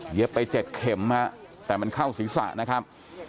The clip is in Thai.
ไป๗เข็มฮะแต่มันเข้าศีรษะนะครับ